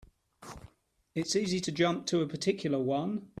It's easy to jump to a particular one.